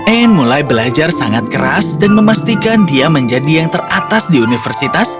anne mulai belajar sangat keras dan memastikan dia menjadi yang teratas di universitas